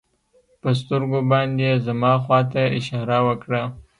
په سترګو باندې يې زما خوا ته اشاره وکړه.